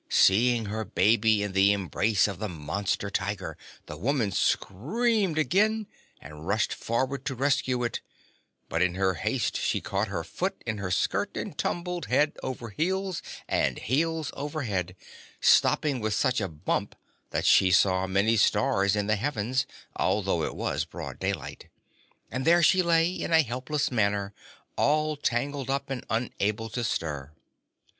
Seeing her baby in the embrace of the monster Tiger the woman screamed again and rushed forward to rescue it, but in her haste she caught her foot in her skirt and tumbled head over heels and heels over head, stopping with such a bump that she saw many stars in the heavens, although it was broad daylight. And there she lay, in a helpless manner, all tangled up and unable to stir.